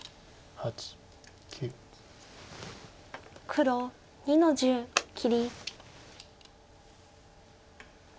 黒２の十切り。